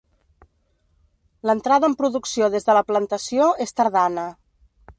L'entrada en producció des de la plantació és tardana.